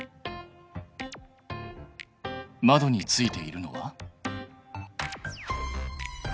窓についているのは？